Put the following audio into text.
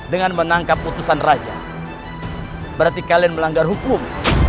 dengan menangkap putusan raja berarti kalian melanggar hukum